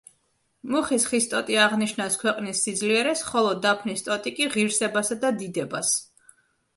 მუხის ხის ტოტი აღნიშნავს ქვეყნის სიძლიერეს, ხოლო დაფნის ტოტი კი: ღირსებასა და დიდებას.